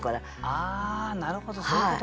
あなるほどそういうことか。